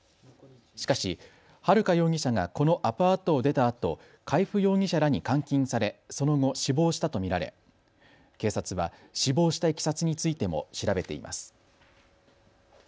しかし春香容疑者がこのアパートを出たあと海部容疑者らに監禁されその後、死亡したと見られ警察は死亡したいきさつについても調べています。